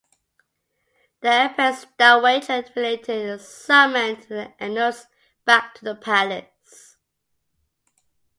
The empress dowager relented and summoned the eunuchs back to the palace.